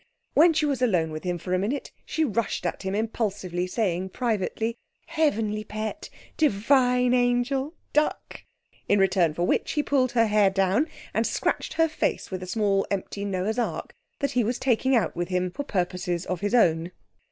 When she was alone with him for a minute she rushed at him impulsively, saying, privately, 'Heavenly pet! Divine angel! Duck!' in return for which he pulled her hair down and scratched her face with a small empty Noah's Ark that he was taking out with him for purposes of his own.